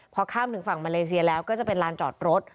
พอข้ามถึงฝั่งมาเลเซียแล้วก็จะเป็นลานจอดรถ